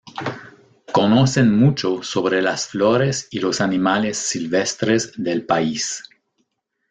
Conocen mucho sobre las flores y los animales silvestres del país.